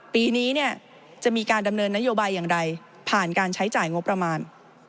ปีนี้เนี่ยจะมีการดำเนินนโยบายอย่างไรผ่านการใช้จ่ายงบประมาณ